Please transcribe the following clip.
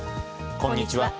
こんにちは。